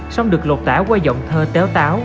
xong được lột tả qua giọng thơ téo táo